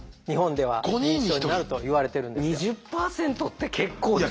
２０％って結構ですよ。